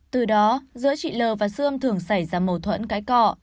từ đó giữa chị l và sươm thường xảy ra mâu thuẫn cái cọ